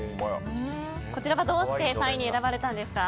こちらはどうして３位に選ばれたんですか？